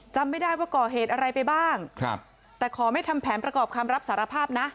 จำไม่ได้ว่าก่อเหตุอะไรไปบ้างครับแต่ขอไม่ทำแผนประกอบคำรับสารภาพนะ